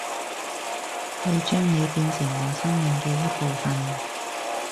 去將你變成我生命嘅一部份